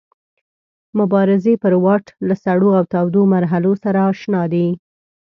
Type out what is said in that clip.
مبارزې پر واټ له سړو او تودو مرحلو سره اشنا دی.